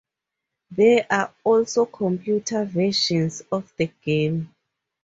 There are also computer versions of the game.